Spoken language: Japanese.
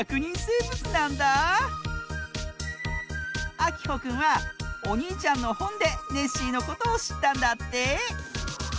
あきほくんはおにいちゃんのほんでネッシーのことをしったんだって。